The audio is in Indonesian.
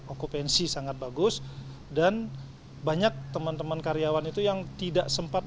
okupansi sangat bagus dan banyak teman teman karyawan itu yang tidak sempat